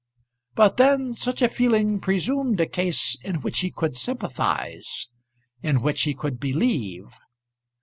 But then such a feeling presumed a case in which he could sympathise in which he could believe.